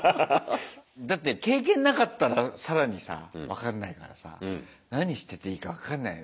だって経験なかったら更にさ分かんないからさ何してていいか分かんないね。